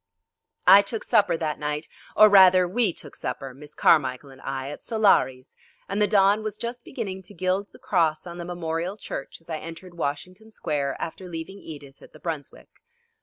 I took supper that night, or rather we took supper, Miss Carmichel and I, at Solari's, and the dawn was just beginning to gild the cross on the Memorial Church as I entered Washington Square after leaving Edith at the Brunswick.